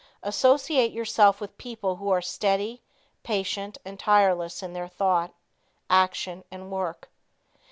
Associate yourself with people who are steady, patient and tireless in their thought, action and work.